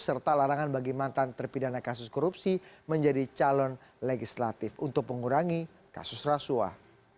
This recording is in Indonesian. serta larangan bagi mantan terpidana kasus korupsi menjadi calon legislatif untuk mengurangi kasus rasuah